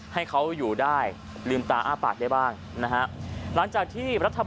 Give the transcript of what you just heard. ให้เขาอยู่ได้